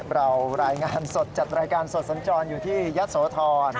รายงานสดจัดรายการสดสัญจรอยู่ที่ยะโสธร